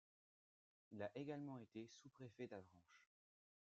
Il a également été sous-préfet d'Avranches.